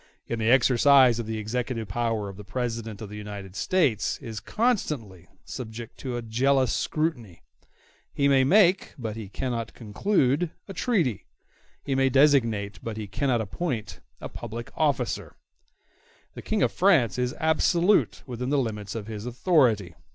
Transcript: In the exercise of the executive power the President of the United States is constantly subject to a jealous scrutiny. He may make, but he cannot conclude, a treaty; he may designate, but he cannot appoint, a public officer. *q The King of France is absolute within the limits of his authority.